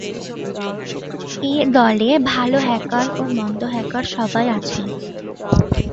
এ দলে "ভাল" হ্যাকার ও "মন্দ" হ্যাকার সবাই আছে।